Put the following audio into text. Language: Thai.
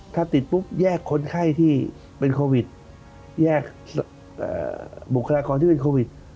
ถ้าติดปุ๊บแยกคนไข้ที่เป็นโควิดแยกบุคลากรที่เป็นโควิด